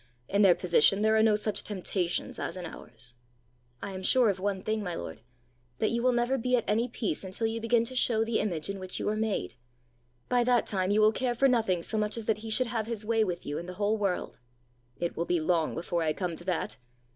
In their position there are no such temptations as in ours!" "I am sure of one thing, my lord that you will never be at any peace until you begin to show the image in which you were made. By that time you will care for nothing so much as that he should have his way with you and the whole world." "It will be long before I come to that!"